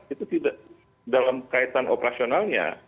itu tidak dalam kaitan operasionalnya